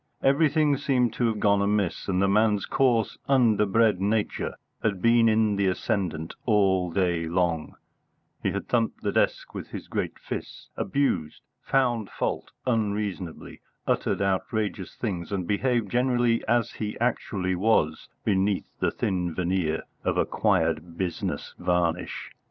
Everything seemed to have gone amiss, and the man's coarse, underbred nature had been in the ascendant all day long: he had thumped the desk with his great fists, abused, found fault unreasonably, uttered outrageous things, and behaved generally as he actually was beneath the thin veneer of acquired business varnish.